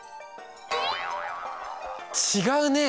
違うね。